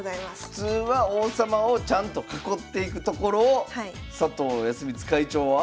普通は王様をちゃんと囲っていくところを佐藤康光会長は？